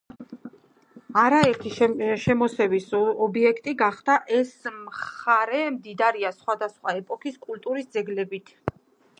არაერთი შემოსევის ობიექტი გახდა. ეს მხარე მდიდარია სხვადასხვა ეპოქის კულტურის ძეგლებითა